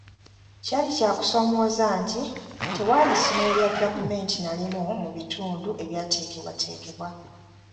Kyali kya kusomooza nti tewaali ssomero lya gavumenti na limu mu bitundu ebyateekebwateekebwa.